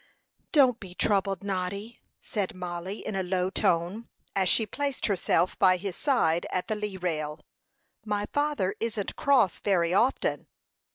"Don't be troubled, Noddy," said Mollie, in a low tone, as she placed herself by his side at the lee rail. "My father isn't cross very often."